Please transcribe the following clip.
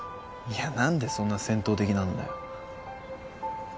いや何でそんな戦闘的なんだよ